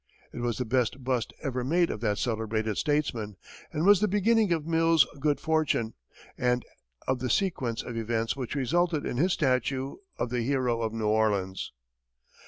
It was the best bust ever made of that celebrated statesman, and was the beginning of Mills's good fortune, and of the sequence of events which resulted in his statue of the hero of New Orleans.